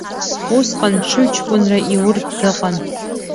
Усҟан ҽыҩ-ҷкәынра иуртә дыҟан.